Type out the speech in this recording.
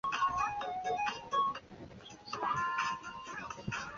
案件最终被和解了。